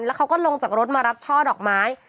แล้วเขาก็ลงจากรถมารับช่อดอกไม้